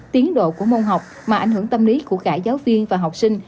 tiến độ của môn học mà ảnh hưởng tâm lý của cả giáo viên và học sinh